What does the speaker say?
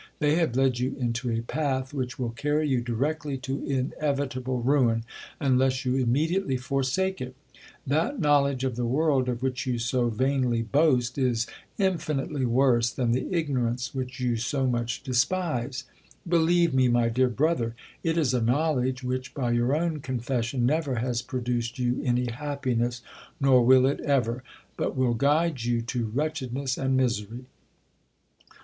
Thejr have led you into a path which will carry you directly to inevitable ruin, unless you immediately forsake it. That knowledge of the world, of which you so vainly U boast, 230 THE COLUMBIAN ORATOR. boast, is infinitely worse than the ignorance which you so much despise. Believe rae, my dear brother, it is a knowledge, which, by your own confession, never has produced you any happiness, nor will it ever ; but will guide you to wretchedness and misery.